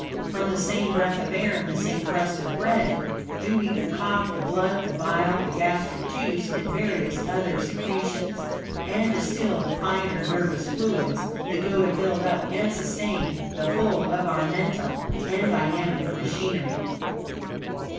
From the same breath of air and the same crust of bread do we concoct the blood, the bile, the gastric juice, and various other secretions; and distil the finer nervous fluids, that go to build up and sustain the whole of our mental and dynamic machinery.